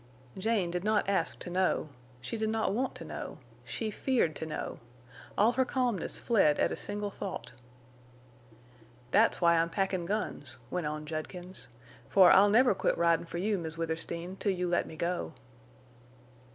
Jane did not ask to know; she did not want to know; she feared to know. All her calmness fled at a single thought. "Thet's why I'm packin' guns," went on Judkins. "For I'll never quit ridin' for you, Miss Withersteen, till you let me go."